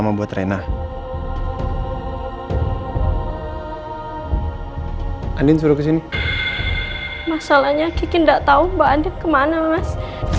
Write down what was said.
mbak andin sudah ngelakuin pertolongan pertama sama rena mas